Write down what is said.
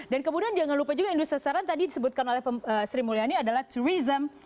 dan kemudian jangan lupa juga industri sasaran tadi disebutkan oleh sri mulyani adalah tourism